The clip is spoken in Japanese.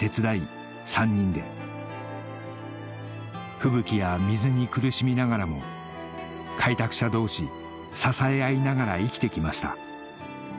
吹雪や水に苦しみながらも開拓者同士支え合いながら生きてきました